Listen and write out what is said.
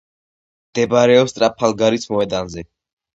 მდებარეობს ტრაფალგარის მოედანზე.